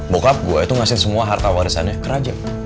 bokap gue itu ngasih semua harta warisannya ke raja